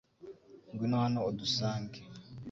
Ngwino hano udusange .